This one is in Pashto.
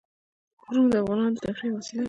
غرونه د افغانانو د تفریح یوه وسیله ده.